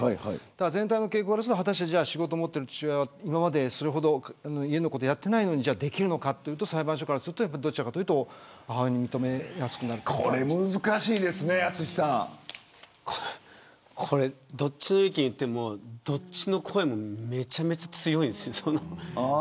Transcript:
全体の傾向は果たして仕事を持っている父親は今までそれほど家のことをやっていないのにできるのかというと裁判所からするとどちらかというとこれは難しいですね、淳さん。どっちの意見を言ってもどっちの声もめちゃめちゃ強いです。